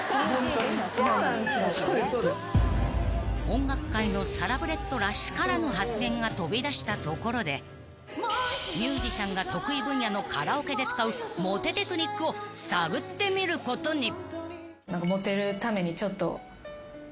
［音楽界のサラブレッドらしからぬ発言が飛び出したところでミュージシャンが得意分野のカラオケで使うモテテクニックを探ってみることに］